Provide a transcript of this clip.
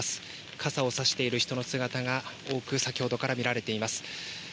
傘を差している人の姿が多く、先ほどから見られています。